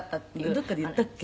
「どこかで言ったっけ？」